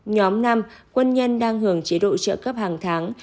nhóm năm tăng lương cho nhóm cán bộ xã phường thị trấn đang hưởng trợ cấp hàng tháng